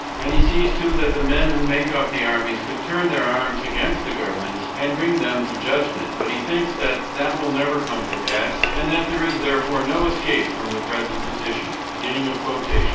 And he sees, too, that the men who make up the armies could turn their arms against the governments and bring them to judgment. But he thinks that that will never come to pass, and that there is, therefore, no escape from the present position.